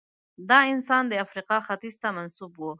دا انسان د افریقا ختیځ ته منسوب و.